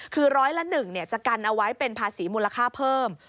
คือร้อยละ๑จะกันเอาไว้เป็นภาษีมูลค่าเพิ่ม